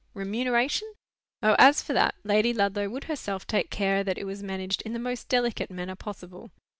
"Remuneration?" Oh! as for that, Lady Ludlow would herself take care that it was managed in the most delicate manner possible.